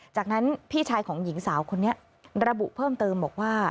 จากนั้นพี่ชายของหญิงสาวคนนี้ระบุเพิ่มเติมบอกว่า